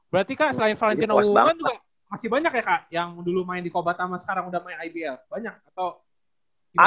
berarti kak selain valentino woman juga masih banyak ya kak yang dulu main di kobat sama sekarang udah main ibl banyak atau gimana